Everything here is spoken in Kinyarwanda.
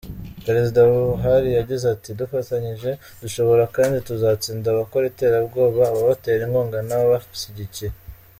Perezida Buhari yagize ati “Dufatanyije, dushobora kandi tuzatsinda abakora iterabwoba, ababatera inkunga n’ababashyigikiye.